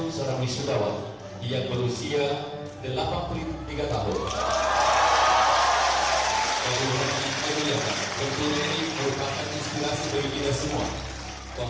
seorang wisatawan yang berusia delapan puluh tiga tahun